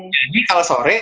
jadi kalau sore